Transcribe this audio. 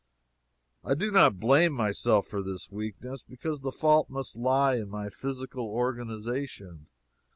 I do not blame myself for this weakness, because the fault must lie in my physical organization.